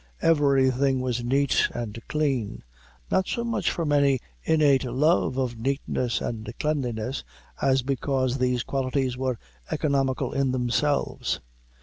Everything was neat and clean, not so much from any innate love of neatness and cleanliness, as because these qualities were economical in themselves.